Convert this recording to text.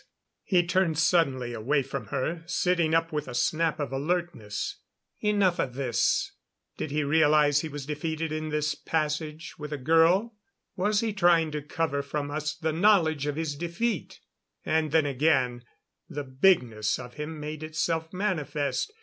He turned suddenly away from her, sitting up with a snap of alertness. "Enough of this." Did he realize he was defeated in this passage with a girl? Was he trying to cover from us the knowledge of his defeat? And then again the bigness of him made itself manifest.